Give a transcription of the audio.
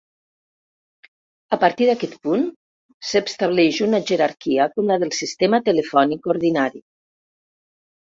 A partir d'aquest punt, s'estableix una jerarquia com la del sistema telefònic ordinari.